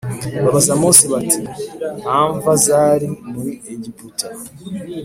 Babaza mose bati nta mva zari muri egiputa